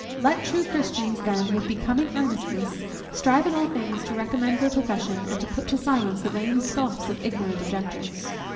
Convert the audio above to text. Let true Christians then, with becoming earnestness, strive in all things to recommend their profession, and to put to silence the vain scoffs of ignorant objectors.